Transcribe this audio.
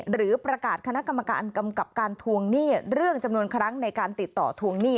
หรือประกาศคณะกรรมการกำกับการทวงหนี้เรื่องจำนวนครั้งในการติดต่อทวงหนี้